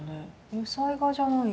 油彩画じゃないし。